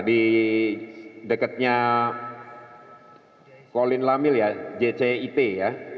di dekatnya kolin lamil ya jcit ya